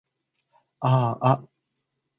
あーあ